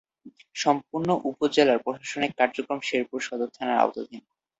সম্পূর্ণ উপজেলার প্রশাসনিক কার্যক্রম শেরপুর সদর থানার আওতাধীন।